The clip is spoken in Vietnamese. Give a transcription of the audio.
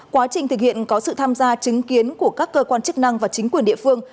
quá trình thực hiện có sự tham gia chứng kiến của các cơ quan chức năng và chính quyền địa phương